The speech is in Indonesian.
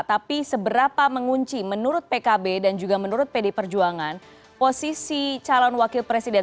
tapi seberapa mengunci menurut pkb dan juga menurut pd perjuangan posisi calon wakil presiden